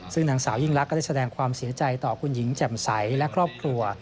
ซึ่งนางสาวยิ่งลักษณ์ได้แสดงความเสียใจต่อคุณหญิงแจ่มใสและครอบครัว